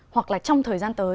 hoặc là trong thời gian tới